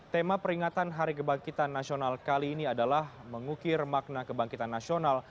tema peringatan hari kebangkitan nasional kali ini adalah mengukir makna kebangkitan nasional